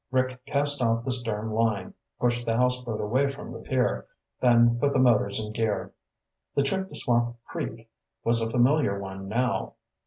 Rick cast off the stern line, pushed the houseboat away from the pier, then put the motors in gear. The trip to Swamp Creek was a familiar one now.